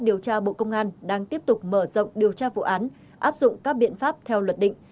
điều tra bộ công an đang tiếp tục mở rộng điều tra vụ án áp dụng các biện pháp theo luật định